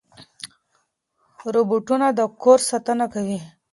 روباټونه د کور ساتنه کوي.